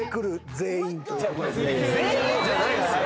全員じゃないですよ。